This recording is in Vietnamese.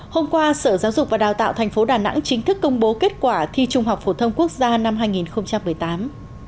hôm qua sở giáo dục và đào tạo tp đà nẵng chính thức công bố kết quả thi trung học phổ thông quốc gia năm hai nghìn một mươi tám